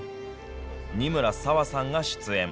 仁村紗和さんが出演。